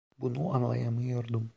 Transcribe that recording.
Bunu anlayamıyordum.